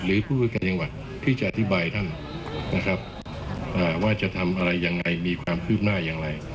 หรือผู้คุยกันที่จะอธิบายท่านว่าจะทำอะไรอย่างไรมีความคืบหน้าอย่างไร